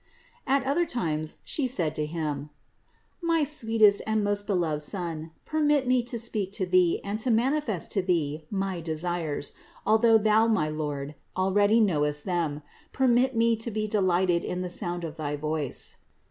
627. At other times She said to Him : "My sweetest and most beloved Son, permit me to speak to Thee and to manifest to Thee my desires, although Thou, my Lord, already knowest them ; permit me to be delighted in the sound of thy voice.